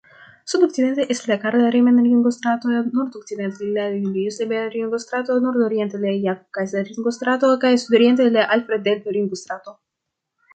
Sudokcidente estas la Karl-Reimann-ringostrato, nordokcidente la Julius-Leber-ringostrato, nordoriente la Jakob-Kaiser-ringostrato kaj sudoriente la Alfred-Delp-ringostrato.